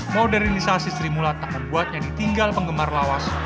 modernisasi sri mulat tak membuatnya ditinggal penggemar lawas